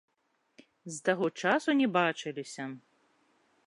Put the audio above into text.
З таго часу не бачыліся.